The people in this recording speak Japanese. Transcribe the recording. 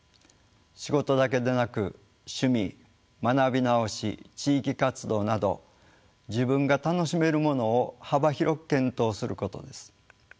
仕事だけでなく趣味学び直し地域活動など自分が楽しめるものを幅広く検討することです。